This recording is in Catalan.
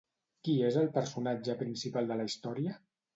Qui és el personatge principal de la història?